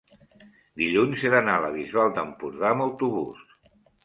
dilluns he d'anar a la Bisbal d'Empordà amb autobús.